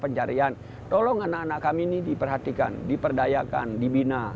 pencarian tolong anak anak kami ini diperhatikan diperdayakan dibina